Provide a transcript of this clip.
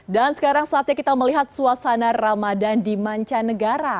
dan sekarang saatnya kita melihat suasana ramadan di mancanegara